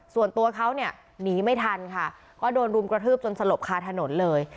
ส่วนตัวเขาเนี่ยหนีไม่ทันค่ะก็โดนรุมกระทืบจนสลบคาถนนเลย